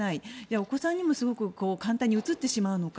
お子さんにもすごく簡単にうつってしまうのか。